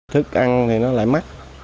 thức ăn thì nó lại mắc